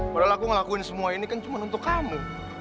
padahal aku ngelakuin semua ini kan cuma untuk kamu